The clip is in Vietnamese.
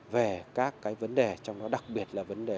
về các cái vấn đề trong đó đặc biệt là vấn đề